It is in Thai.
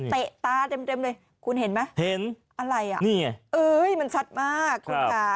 เตะตาเต็มเลยคุณเห็นไหมเห็นอะไรอ่ะนี่ไงเอ้ยมันชัดมากคุณค่ะ